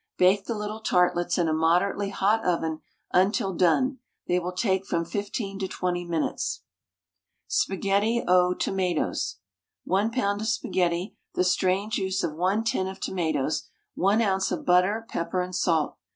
Bake the little tartlets in a moderately hot oven until done; they will take from 15 to 20 minutes. SPAGHETTI AUX TOMATOES. 1 lb. of spaghetti, the strained juice of one tin of tomatoes, 1 oz. of butter, pepper and salt.